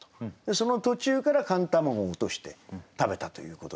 その途中から寒卵を落として食べたということです。